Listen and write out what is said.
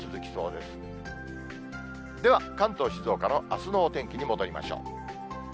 では関東、静岡のあすのお天気に戻りましょう。